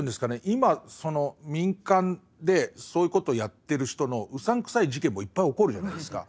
今その民間でそういうことやってる人のうさんくさい事件もいっぱい起こるじゃないですか。